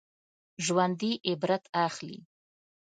ژوندي عبرت اخلي